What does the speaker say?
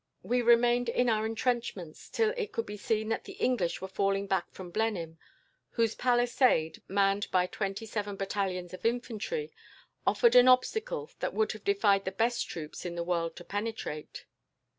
"We remained in our entrenchments, till it could be seen that the English were falling back from Blenheim, whose palisade, manned by twenty seven battalions of infantry, offered an obstacle that would have defied the best troops in the world to penetrate.